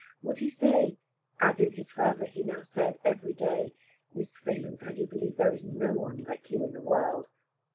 Would he say, as in his fervour he now said every day, "Miss Valence, I do believe there is no one like you in the world!"